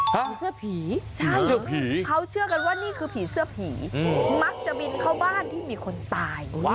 ผีเสื้อผีใช่เสื้อผีเขาเชื่อกันว่านี่คือผีเสื้อผีมักจะบินเข้าบ้านที่มีคนตาย